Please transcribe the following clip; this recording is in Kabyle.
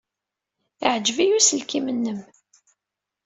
Yeɛjeb-iyi uselkim-nwen.